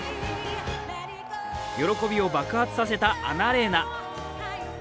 喜びを爆発させたアナレーナ。